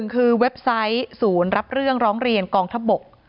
คือเว็บไซต์ศูนย์รับเรื่องร้องเรียนกองทัพบก